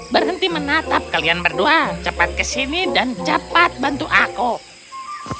berhenti menatap kalian berdua cepat kesini dan cepat bantu aku